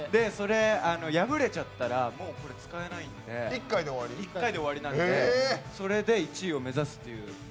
破れちゃったらもう使えないんで一回で終わりなんでそれで１位を目指すという。